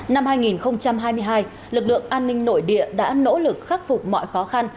năm hai nghìn hai mươi hai lực lượng an ninh nội địa đã nỗ lực khắc phục mọi khó khăn